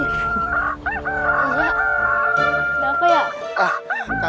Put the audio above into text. gak apa apa ya